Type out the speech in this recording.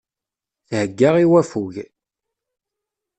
Thegga i waffug.